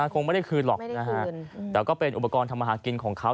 คงไม่ได้คืนหรอกนะฮะแต่ก็เป็นอุปกรณ์ทำมาหากินของเขา